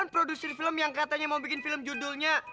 produser film yang katanya mau bikin film judulnya